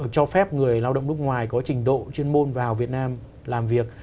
cho phép người lao động nước ngoài có trình độ chuyên môn vào việt nam làm việc